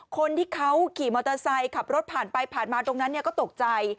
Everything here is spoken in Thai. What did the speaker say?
คนที่เขาขี่มอเตอร์ไซค์ขับรถผ่านไปผ่านมาตรงนั้นก็ตกใจ